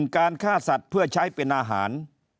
การฆ่าสัตว์เพื่อใช้เป็นอาหาร